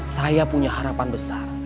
saya punya harapan besar